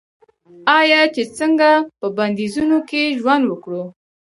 آیا چې څنګه په بندیزونو کې ژوند وکړو؟